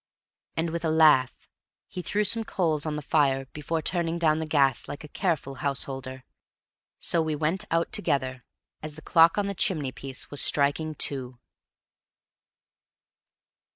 And, with a laugh, he threw some coals on the fire before turning down the gas like a careful householder. So we went out together as the clock on the chimney piece was striking two.